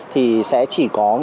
thì sẽ chỉ có